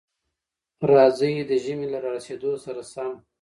راځئ، د ژمي له را رسېدو سره سم،